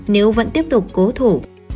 nếu vẫn tiếp tục cố thủ